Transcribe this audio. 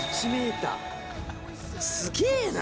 すげぇな！